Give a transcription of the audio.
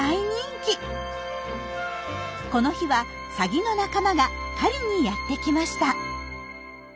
この日はサギの仲間が狩りにやって来ました。